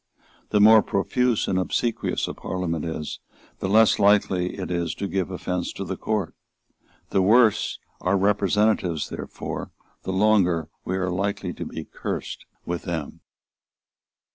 The more profuse and obsequious a Parliament is, the less likely it is to give offence to the Court. The worse our representatives, therefore, the longer we are likely to be cursed with them.